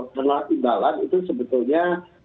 karena imbalan itu sebetulnya